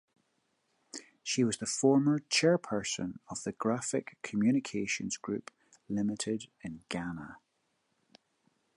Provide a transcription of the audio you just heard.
She was the former chairperson of the Graphic Communications Group Limited in Ghana.